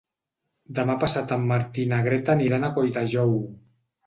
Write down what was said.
Demà passat en Martí i na Greta aniran a Colldejou.